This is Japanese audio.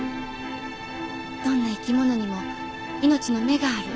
「どんな生き物にも命の芽がある」